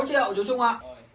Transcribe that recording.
chín mươi sáu triệu chú chung ạ